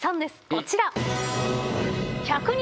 こちら。